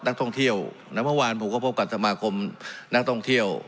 นักท่องเที่ยวแล้วเมื่อวานผมก็พบกับสมาคมนักท่องเที่ยว